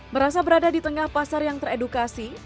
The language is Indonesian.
merasa berada di tengah pasar yang teredukasi